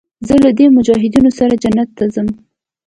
زه له دې مجاهدينو سره جنت ته ځم.